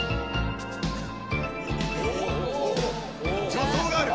助走がある。